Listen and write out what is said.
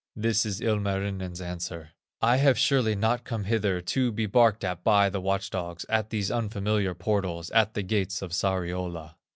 This is Ilmarinen's answer: "I have surely not come hither To be barked at by the watch dogs, At these unfamiliar portals, At the gates of Sariola."